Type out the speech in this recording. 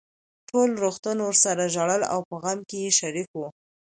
ټول روغتون ورسره ژړل او په غم کې يې شريک وو.